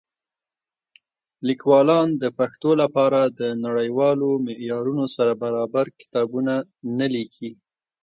لیکوالان د پښتو لپاره د نړیوالو معیارونو سره برابر کتابونه نه لیکي.